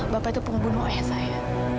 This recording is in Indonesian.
bapak itu pembunuh ayah saya